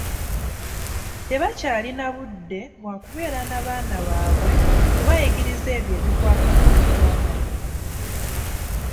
Tebakyalina budde bwakubeera na baana baabwe kubayigiriza ebyo ebikwata ku byobuwanga bwabwe.